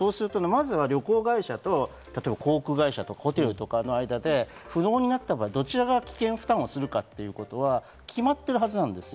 まずは旅行会社と航空会社やホテルの間で不能になった場合、どちらが危険負担をするのかというのは決まってるはずなんです。